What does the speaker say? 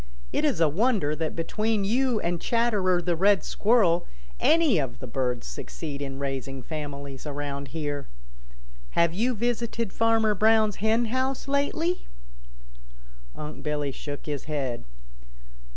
It is a wonder that between you and Chatterer the Red Squirrel any of the birds succeed in raising families around here. Have you visited Farmer Brown's hen house lately?" Unc' Billy shook his head.